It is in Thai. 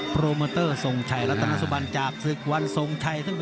กิโลเม้อเตอร์ส่องไชยลัตตานสบัญจากศึกวรรณส่องไชย